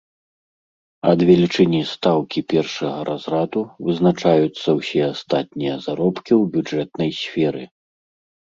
Ад велічыні стаўкі першага разраду вызначаюцца ўсе астатнія заробкі ў бюджэтнай сферы.